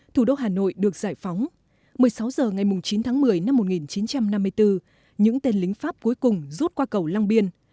thủ đô hà nội được giải phóng một mươi sáu h ngày chín tháng một mươi năm một nghìn chín trăm năm mươi bốn những tên lính pháp cuối cùng rút qua cầu long biên